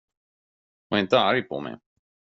Var inte arg på mig.